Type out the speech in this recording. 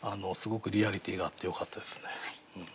すごくリアリティーがあってよかったですね。